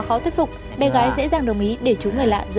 sao sợ gì mẹ đang nghe điện thoại